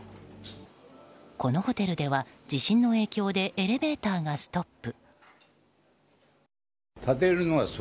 このホテルでは地震の影響でエレベーターがストップ。